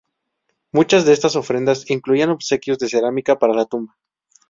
Muchas de estas ofrendas incluían obsequios de cerámica para la tumba.